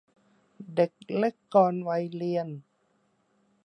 เด็กเล็กก่อนวัยเรียน